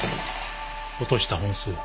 落とした本数は？